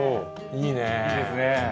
いいねえ。